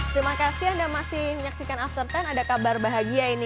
terima kasih anda masih menyaksikan after sepuluh ada kabar bahagia ini